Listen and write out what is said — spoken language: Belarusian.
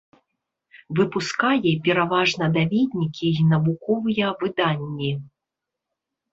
Выпускае пераважна даведнікі і навуковыя выданні.